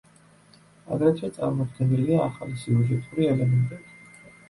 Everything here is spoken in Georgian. აგრეთვე წარმოდგენილია ახალი სიუჟეტური ელემენტები.